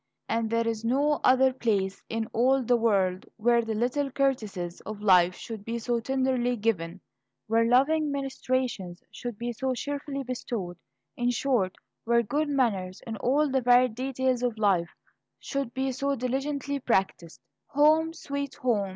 And there is no other place in all the world where the little courtesies of life should be so tenderly given; where loving ministrations should be so cheerfully bestowed; in short, where good manners, in all the varied details of life, should be so diligently practised. "Home, sweet home!"